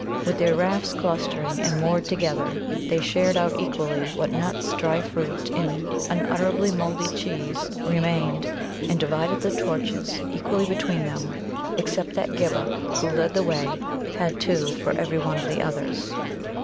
With their rafts clustering and moored together, they shared out equally what nuts, dry fruit, and unutterably mouldy cheese remained, and divided the torches equally between them, except that Ghibba, who led the way, had two for every one of the others.